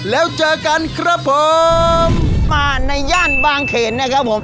แล้วเจอกันครับผมมาในย่านบางเขนนะครับผม